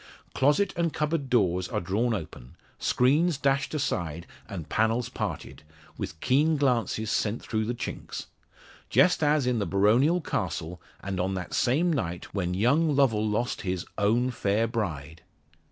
Closet and cupboard doors are drawn open, screens dashed aside, and panels parted, with keen glances sent through the chinks. Just as in the baronial castle, and on that same night when young Lovel lost his "own fair bride."